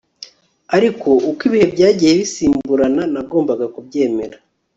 ariko uko ibihe byagiye bisimburana, nagombaga kubyemera